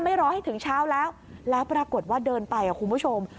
รอให้ถึงเช้าแล้วแล้วปรากฏว่าเดินไปคุณผู้ชม